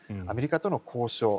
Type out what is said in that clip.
アメリカとの交渉